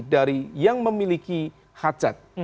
dari yang memiliki hajat